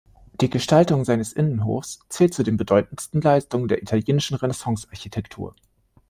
Die Gestaltung seines Innenhofs zählt zu den bedeutendsten Leistungen der italienischen Renaissance-Architektur.